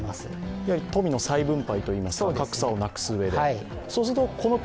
やはり富の再分配といいますか、格差をなくすうえで。